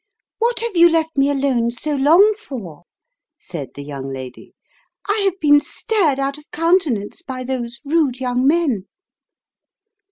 " What have you left me alone so long for ?" said the young lady. " I have been stared out of coimtenance by those rude young men."